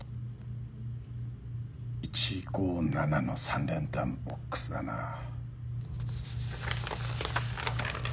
１−５−７の３連単ボックスだな